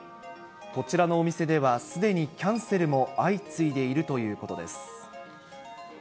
こちらのお店では、すでにキャンセルも相次いでいるということです。